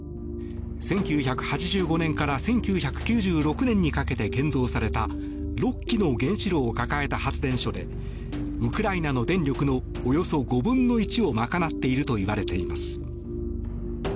１９８５年から１９９６年にかけて建造された６基の原子炉を抱えた発電所でウクライナの電力のおよそ５分の１を賄っているといわれています。